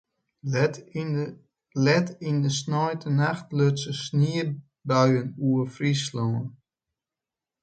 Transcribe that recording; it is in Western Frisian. Let yn de sneintenacht lutsen sniebuien oer Fryslân.